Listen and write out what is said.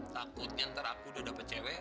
takutnya ntar aku udah dapat cewek